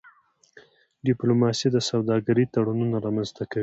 ډيپلوماسي د سوداګرۍ تړونونه رامنځته کوي.